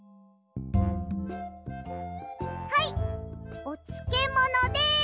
はいおつけものです。